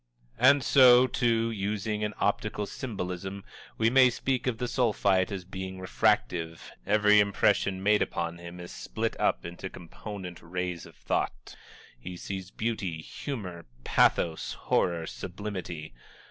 And so, too, using an optical symbolism, we may speak of the Sulphite as being refractive every impression made upon him is split up into component rays of thought he sees beauty, humor, pathos, horror, and sublimity.